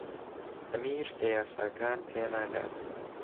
ئەمیر لە یاساکان تێناگات.